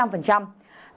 và nếu nếu nếu